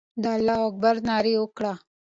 د الله اکبر ناره وکړه.